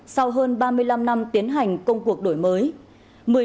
sau hơn ba mươi năm năm tiến hành công cuộc đổi mới